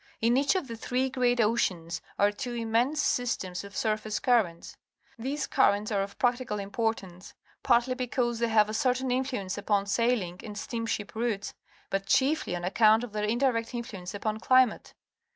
In each of the three great oceans are two immense systems of surface currents. These cur rents are of practical importance, partly because they have a certain influence upon sailing and steamship routes, but chiefly on account of their indirect influence upon dimate.